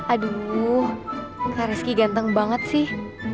aduh kak rizky ganteng banget sih